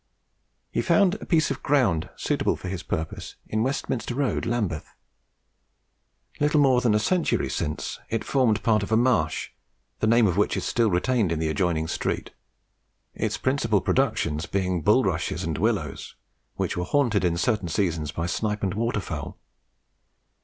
He found a piece of ground suitable for his purpose in Westminster Road, Lambeth. Little more than a century since it formed part of a Marsh, the name of which is still retained in the adjoining street; its principal productions being bulrushes and willows, which were haunted in certain seasons by snipe and waterfowl.